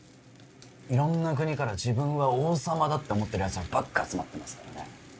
いろんな国から自分は王様だって思ってるやつらばっか集まってますからね